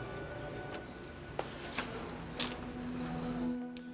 kamu bisa berubah